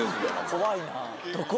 怖いなぁ。